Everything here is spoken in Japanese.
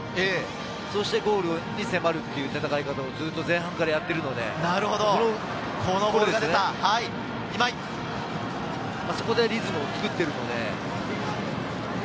そしてゴールに迫るという戦い方を前半からやっているので、そこでリズムを作っているので。